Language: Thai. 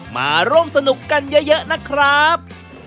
มาร่วมสนุกกันเยอะนะครับ